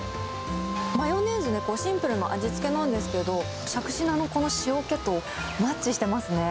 マヨネーズでシンプルな味付けなんですけど、しゃくし菜のこの塩気とマッチしてますね。